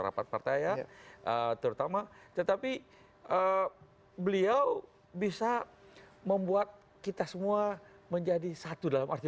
rapat partai ya terutama tetapi beliau bisa membuat kita semua menjadi satu dalam arti